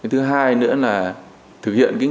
thứ hai nữa là thực hiện nghị quyết một mươi bảy